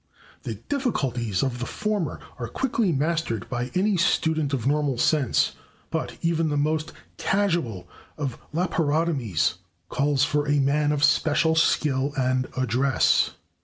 The difficulties of the former are quickly mastered by any student of normal sense, but even the most casual of laparotomies calls for a man of special skill and address.